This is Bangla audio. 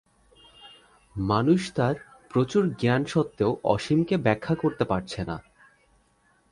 মানুষ তার প্রচুর জ্ঞান সত্ত্বেও অসীমকে ব্যাখ্যা করতে পারছে না।